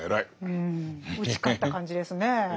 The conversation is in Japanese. うん打ち勝った感じですねぇ。